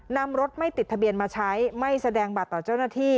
นำรถไม่ติดทะเบียนมาใช้ไม่แสดงบัตรต่อเจ้าหน้าที่